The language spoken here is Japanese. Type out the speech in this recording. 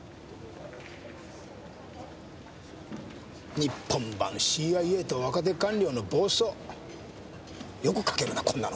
「日本版ＣＩＡと若手官僚の暴走」よく書けるなこんなの。